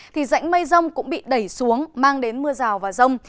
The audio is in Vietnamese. thì rãnh mây rông cũng bị đẩy xuống mang đến mưa rào và rông